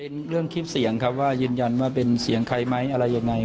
เรื่องคลิปเสียงครับว่ายืนยันว่าเป็นเสียงใครไหมอะไรยังไง